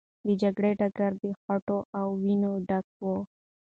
د جګړې ډګر د خټو او وینو ډک و.